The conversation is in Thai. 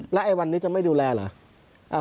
แล้วไอ้วันนี้จะไม่ดูแลเหรอ